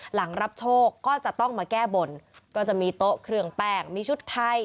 หลังรับโชคก็จะต้องมาแก้บนก็จะมีโต๊ะเครื่องแป้งมีชุดไทย